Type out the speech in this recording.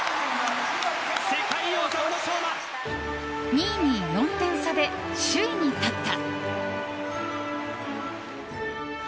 ２位に４点差で首位に立った。